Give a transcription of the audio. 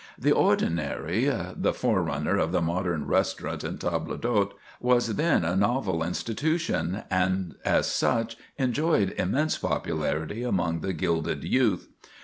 The ordinary—the forerunner of the modern restaurant and table d'hôte—was then a novel institution, and as such enjoyed immense popularity among the gilded youth.